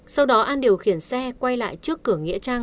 sau đó an điều khiển xe quay lại trước cửa nghĩa trang